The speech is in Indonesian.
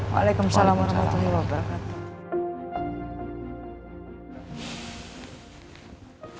waalaikumsalam warahmatullahi wabarakatuh